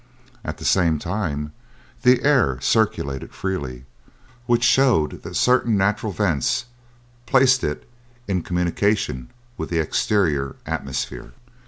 At the same time, the air circulated freely, which showed that certain natural vents placed it in communication with the exterior atmosphere.